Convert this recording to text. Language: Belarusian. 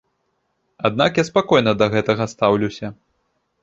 Аднак я спакойна да гэтага стаўлюся.